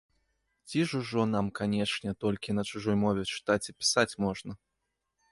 Ці ж ужо нам канечне толькі на чужой мове чытаць і пісаць можна?